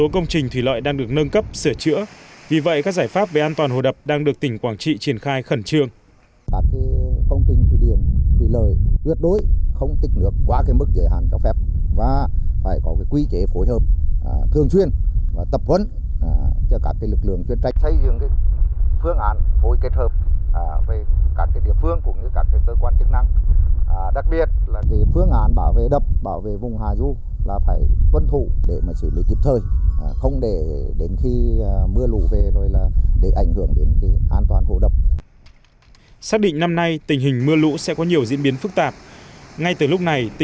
công trình thủy lợi thủy điện quảng trị là công trình thủy lợi lớn nhất ở tỉnh quảng trị